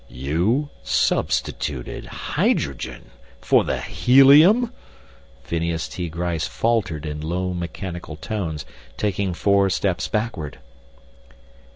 "You substituted ... hydrogen ... for the ... helium?" Phineas T. Gryce faltered in low mechanical tones, taking four steps backward.